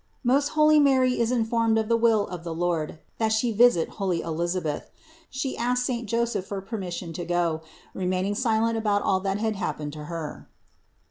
MOST HOLY MARY IS INFORMED OF THE WILL OF THE LORD, THAT SHE VISIT HOLY ELISABETH ; SHE ASKS SAINT JOSEPH FOR PERMISSION TO GO, REMAINING SILENT ABOUT ALL THAT HAD HAPPENED TO HER.